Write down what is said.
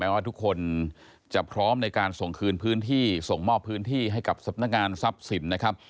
ว่าทุกคนจะพร้อมในการส่งคืนพื้นที่ส่งมอบพื้นที่ให้กับสำนักงานทรัพย์สินนะครับ